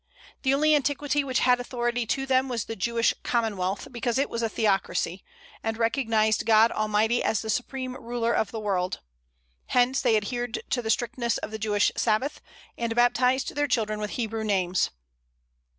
The only antiquity which had authority to them was the Jewish Commonwealth, because it was a theocracy, and recognized God Almighty as the supreme ruler of the world. Hence they adhered to the strictness of the Jewish Sabbath, and baptized their children with Hebrew names.